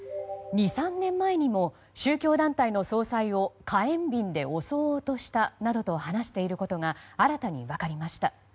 ２３年前にも宗教団体の総裁を火炎瓶で襲おうとしたなどと話していることが新たに分かりました。